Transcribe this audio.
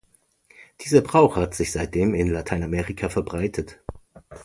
Dieser Brauch hat sich seitdem in Lateinamerika verbreitet.